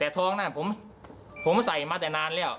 แต่ทองนั้นผมใส่มาแต่นานแล้ว